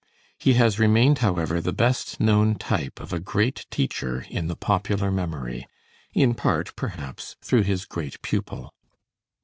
He has remained, however, the best known type of a great teacher in the popular memory; in part, perhaps, through his great pupil.